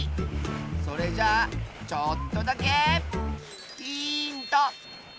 それじゃあちょっとだけヒント！